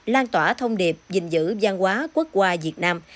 lan tỏa thông điệp dình dữ gian hóa quốc qua việt nam